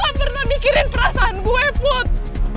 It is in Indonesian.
lo gak pernah mikirin perasaan gue put